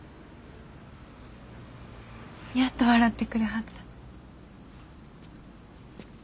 やっと笑ってくれはった。